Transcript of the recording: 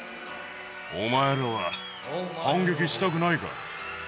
お前らは反撃したくないか。